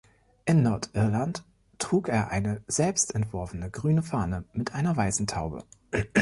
In Nordirland trug er eine selbst entworfene grüne Fahne mit einer weißen Taube.